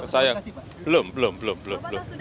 saya belum belum belum